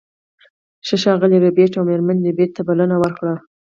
هغه ښاغلي ربیټ او میرمن ربیټ ته بلنه ورکړه